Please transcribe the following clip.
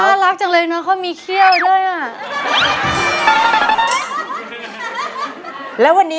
น่ารักจังเลยเนอะเขามีเขี้ยวด้วยอ่ะ